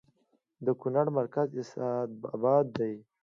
د کونړ مرکز اسداباد دی